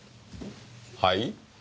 はい？